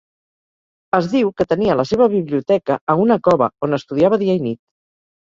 Es diu que tenia la seva biblioteca a una cova, on estudiava dia i nit.